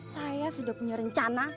saya sudah punya rencana